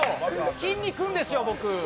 きんに君ですよ、僕。